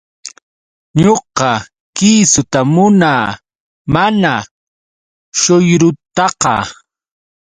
Ñuqa kiisuta munaa, mana shuyrutaqa.